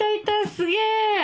すげえ！